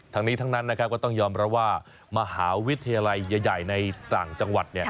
ทั้งนี้ทั้งนั้นนะครับก็ต้องยอมรับว่ามหาวิทยาลัยใหญ่ในต่างจังหวัด